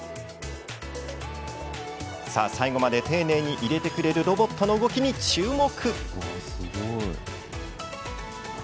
最後まで丁寧にいれてくれるロボットの動きに注目。